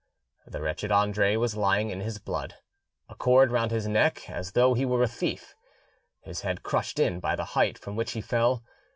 The wretched Andre was lying in his blood, a cord round his neck as though he were a thief, his head crushed in by the height from which he fell.